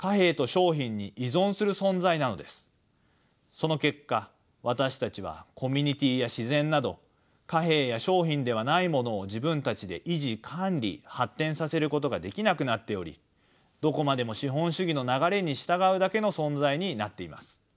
その結果私たちはコミュニティーや自然など貨幣や商品ではないものを自分たちで維持管理発展させることができなくなっておりどこまでも資本主義の流れに従うだけの存在になっています。